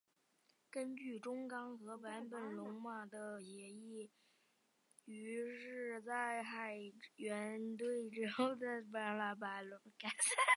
根据中冈和坂本龙马的协议于是在海援队之后再度创立一个与之相互支援的组织。